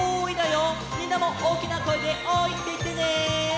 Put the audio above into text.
みんなもおおきなこえで「おーい」っていってね。